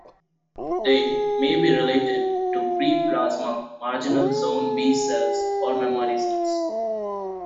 They may be related to pre-plasma marginal zone B cells or memory cells.